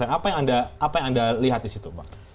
apa yang anda lihat di situ pak